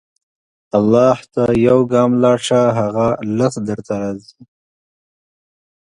الله ته یو ګام لاړ شه، هغه لس درته راځي.